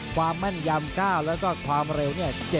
ความมั่นยำ๙และความเร็ว๗